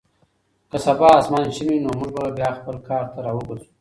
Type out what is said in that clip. که سبا اسمان شین وي نو موږ به بیا خپل کار ته راوګرځو.